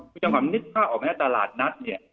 มีจำความนิดค่าออกมาจากตลาดนัดเนี่ย